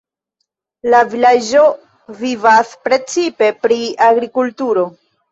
La vilaĝo vivas precipe pri agrikulturo.